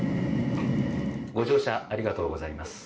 ご乗車ありがとうございます。